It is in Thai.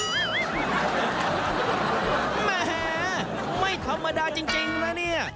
แหมไม่ธรรมดาจริงนะเนี่ย